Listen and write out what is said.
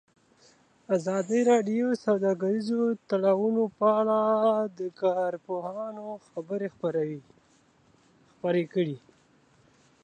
ازادي راډیو د سوداګریز تړونونه په اړه د کارپوهانو خبرې خپرې کړي.